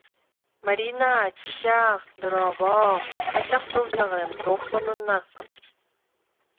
Марина, чыычаах, дорообо, хайдах сылдьаҕын, туох сонуннааххын